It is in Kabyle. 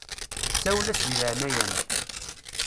Sawel-as di leɛnaya-m.